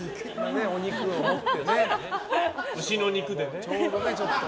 牛の肉でね。